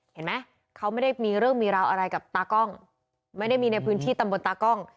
เห็นไหมเขาไม่ได้มีเรื่องมีราวอะไรกับตากล้องไม่ได้มีในพื้นที่ตำบลตากล้อง